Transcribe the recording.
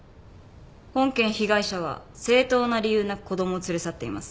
本件被害者は正当な理由なく子供を連れ去っています。